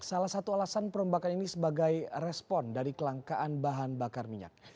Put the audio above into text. salah satu alasan perombakan ini sebagai respon dari kelangkaan bahan bakar minyak